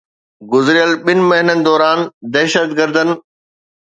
گذريل ٻن مهينن دوران دهشتگردن